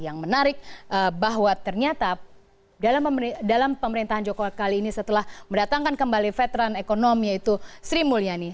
yang menarik bahwa ternyata dalam pemerintahan jokowi kali ini setelah mendatangkan kembali veteran ekonomi yaitu sri mulyani